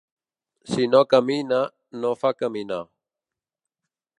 Si no camina, no fa caminar.